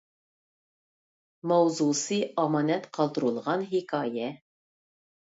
ماۋزۇسى ئامانەت قالدۇرۇلغان ھېكايە